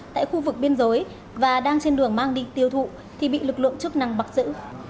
tại khu vực biên giới và đang trên đường mang đi tiêu thụ thì bị lực lượng chức năng bắt giữ